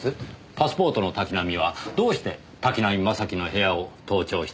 パスポートの滝浪はどうして滝浪正輝の部屋を盗聴していたのでしょう？